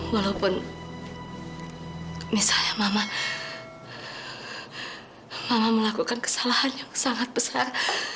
walaupun misalnya mama melakukan kesalahan yang sangat besar